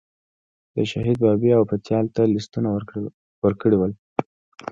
د شهید بابی او پتیال ته لیستونه ورکړي ول.